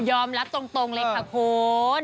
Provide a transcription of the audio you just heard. รับตรงเลยค่ะคุณ